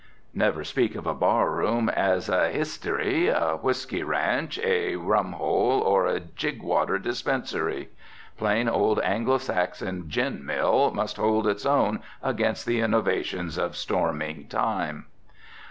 Never speak of a bar room as "a h'istery," "a whisky ranch," "a rum hole," or "a jig water dispensary." Plain old Anglo Saxon "gin mill" must hold its own against the innovations of storming time.